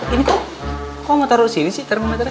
ini kok kok mau taruh di sini sih taruh taruh